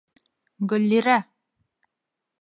Гөллирә!..